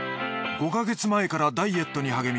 ５か月前からダイエットに励み